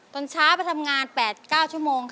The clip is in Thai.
ตอนเช้าไปทำงาน๘๙ชั่วโมงค่ะ